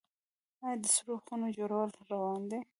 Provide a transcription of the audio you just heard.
آیا د سړو خونو جوړول روان دي؟